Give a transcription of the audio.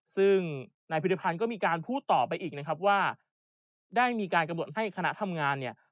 ซึ่งนายพิริพันธ์ก็มีการพูดต่อไปอีกนะครับว่าได้มีการกำหนดให้คณะทำงานเนี่ย